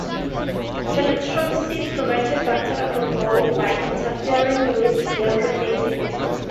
Telithromycin prevents bacteria from growing, by interfering with their protein synthesis.